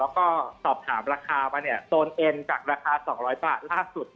แล้วก็สอบถามราคามาเนี่ยโซนเอ็นจากราคา๒๐๐บาทล่าสุด